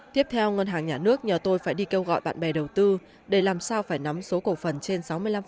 tiếp theo ngân hàng nhà nước nhờ tôi phải đi kêu gọi bạn bè đầu tư để làm sao phải nắm số cổ phần trên sáu mươi năm